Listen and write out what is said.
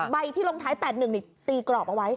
ใบที่ลงท้าย๘๑นี่ตีกรอบเอาไว้